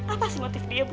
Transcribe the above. apa sih motif dia bu